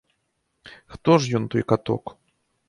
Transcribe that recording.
Хто ж ён, той каток?